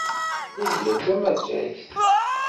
Layla d tamattakt.